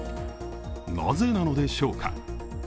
なぜなのでしょうか。